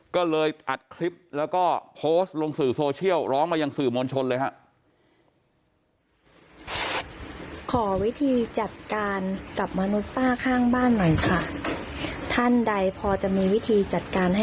ก็เลยอัดคลิปแล้วก็โพสต์ลงสื่อโซเชียลร้องมายังสื่อมวลชนเลยฮะ